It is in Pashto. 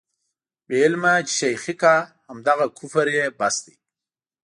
بې علمه چې شېخي کا، همدغه کفر یې بس دی.